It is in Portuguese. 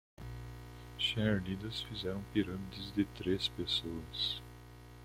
Cheerleaders fizeram pirâmides de três pessoas.